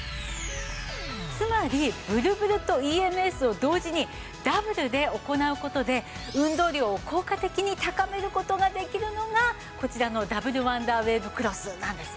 つまりぶるぶるとＥＭＳを同時にダブルで行う事で運動量を効果的に高める事ができるのがこちらのダブルワンダーウェーブクロスなんです。